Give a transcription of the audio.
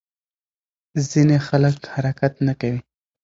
ځینې خلک حرکت نه کوي.